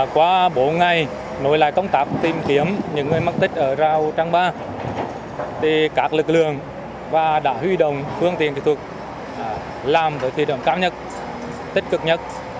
qua bốn ngày nối lại công tác tìm kiếm những người mất tích ở rào trang ba các lực lượng đã huy động phương tiện tịch thuật làm với thuy đoạn cám nhất tích cực nhất